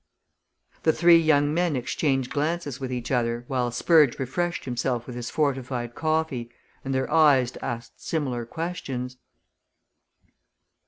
The three young men exchanged glances with each other while Spurge refreshed himself with his fortified coffee, and their eyes asked similar questions.